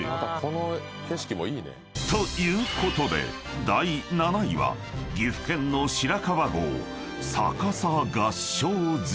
［ということで第７位は岐阜県の白川郷逆さ合掌造り］